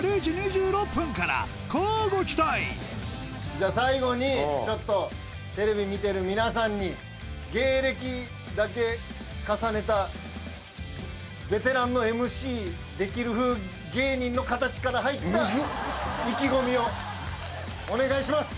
じゃ最後にちょっとテレビ見てる皆さんに芸歴だけ重ねたベテランのＭＣできる風芸人の形から入ったむずっ意気込みをお願いします！